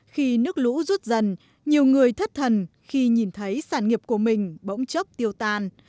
khi nước lũ rút dần nhiều người thất thần khi nhìn thấy sản nghiệp của mình bỗng chốc tiêu tan